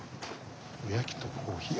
おやきとコーヒー。